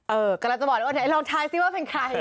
เออกำลังจะบอกลองทายซิว่าเป็นใคร